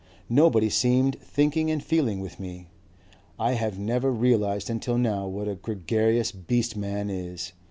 Nobody seemed thinking and feeling with me.... I have never realized until now what a gregarious beast man is.